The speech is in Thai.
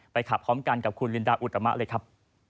ขับพร้อมกันกับคุณลินดาอุตมะเลยครับ